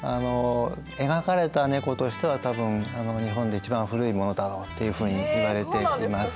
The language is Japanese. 描かれた猫としては多分日本で一番古いものだろうっていうふうにいわれています。